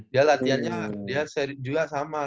dia latihannya juga sama lah